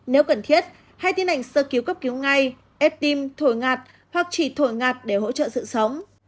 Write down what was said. nếu cần thiết hãy tiến hành sơ cứu cấp cứu ngay ép tim thổi ngạt hoặc chỉ thổi ngạt để hỗ trợ sự sống